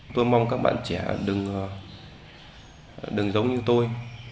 tôi mong các bạn trẻ đừng giống như tôi